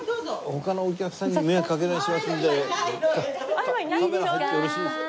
他のお客さんに迷惑かけないようにしますのでカメラ入ってよろしいですか？